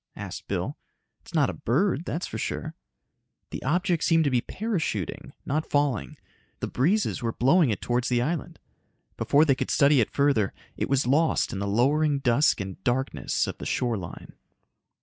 asked Bill. "It's not a bird, that's for sure." The object seemed to be parachuting, not falling. The breezes were blowing it towards the island. Before they could study it further, it was lost in the lowering dusk and darkness of the shore line.